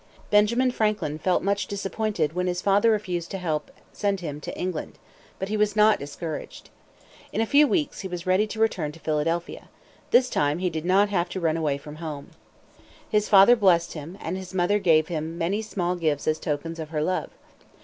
Benjamin Franklin felt much disappointed when his father refused to help send him to England. But he was not discouraged. In a few weeks he was ready to return to Philadelphia. This time he did not have to run away from home. His father blessed him, and his mother gave him many small gifts as tokens of her love.